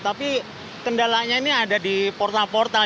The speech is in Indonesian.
tapi kendalanya ini ada di portal portal